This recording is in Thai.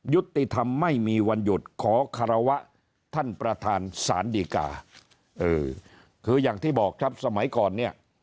ยุติธรรมไม่มีวันหยุดขอคารวะท่านประธานสารดีกาเออคืออย่างที่บอกครับสมัยก่อนเนี่ย